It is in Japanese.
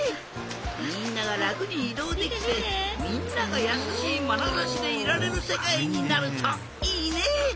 みんながらくにいどうできてみんながやさしいまなざしでいられるせかいになるといいね。